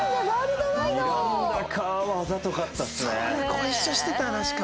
ご一緒してた確か。